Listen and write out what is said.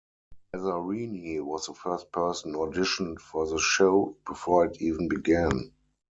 Lazzarini was the first person auditioned for the show, before it even began.